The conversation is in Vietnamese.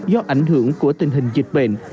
do ảnh hưởng của tình hình dịch bệnh